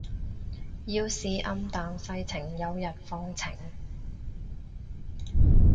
要是暗淡世情有日放晴